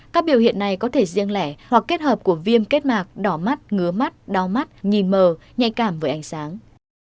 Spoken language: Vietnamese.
các biểu hiện này có thể riêng lẻ hoặc kết hợp của viêm kết mạc đỏ mắt ngứa mắt đau mắt nhìn mờ nhạy cảm với ánh sáng